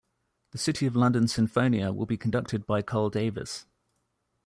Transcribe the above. The City of London Sinfonia will be conducted by Carl Davis.